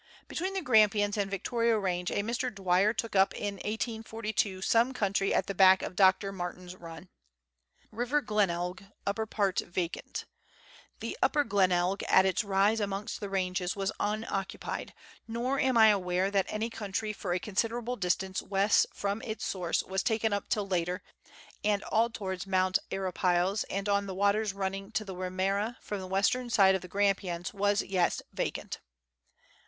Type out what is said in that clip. Between the Grampians and Victoria Range a Mr. Dwyer took up in 1842 some country at the back of Dr. Martin's run. River Glenelg, upper part vacant. The Upper Glenelg, at its rise amongst the ranges, was "unoccupied, nor am I aware that any country for a considerable distance west from its source Avas taken up till later, and all towards Mount Arapiles and on the waters running to the Wimrnera from the western side of the Grampians was yet vacant.